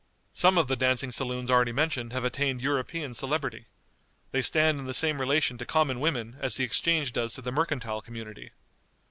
Some of the dancing saloons already mentioned have attained European celebrity. They stand in the same relation to common women as the exchange does to the mercantile community.